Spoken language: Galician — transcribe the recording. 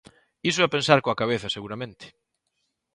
Iso é pensar coa cabeza, seguramente.